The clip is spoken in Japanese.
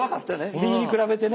右に比べてね。